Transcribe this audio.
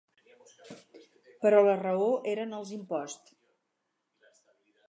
Però la raó eren els imposts.